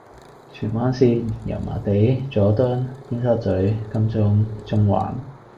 荃灣綫：油麻地，佐敦，尖沙咀，金鐘，中環